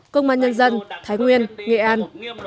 công an nhân dân thái nguyên nghệ an